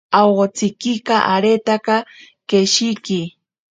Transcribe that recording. Awotsika areta keshiki.